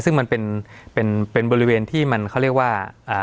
ซึ่งมันเป็นเป็นบริเวณที่มันเขาเรียกว่า